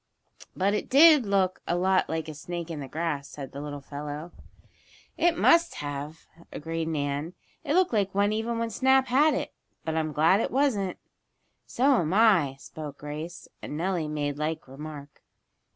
"But it did look a lot like a snake in the grass," said the little fellow. "It must have," agreed Nan. "It looked like one even when Snap had it. But I'm glad it wasn't." "So am I," spoke Grace, and Nellie made like remark.